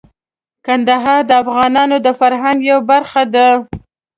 کندهار د افغانانو د فرهنګ یوه برخه ده.